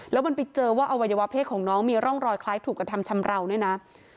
แล้วมันไปเจอว่าอวัยวะเพศของน้องมีร่องรอยคล้ายถูกกระทำชำราวด้วยนะ